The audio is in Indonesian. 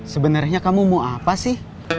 sebenarnya kamu mau apa sih